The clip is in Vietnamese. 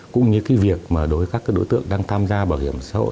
cũng như việc đối với các đối tượng đang tham gia bảo hiểm xã hội